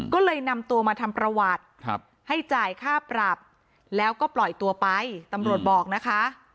ก็เลยนำตัวมาทำประวัติให้จ่ายค่าปรับแล้วก็ปล่อยตัวไปตำรวจบอกนะคะ